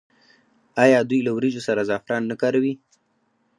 آیا دوی له وریجو سره زعفران نه کاروي؟